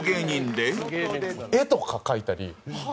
絵とか描いたり。